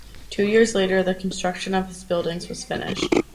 Two years later, the construction of his buildings was finished.